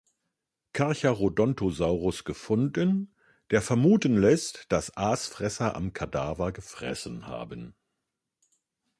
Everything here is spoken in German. Carcharodontosaurus" gefunden, der vermuten lässt, dass Aasfresser am Kadaver gefressen haben.